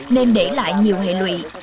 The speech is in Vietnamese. nên để lại nhiều hệ lụy